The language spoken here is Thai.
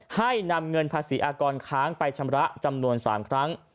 ให้นำเงินภาษีอากรค้างไปชำระจำนวน๓ครั้ง